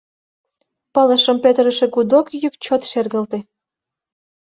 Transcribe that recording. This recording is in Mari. Пылышым петырыше гудок йӱк чот шергылте.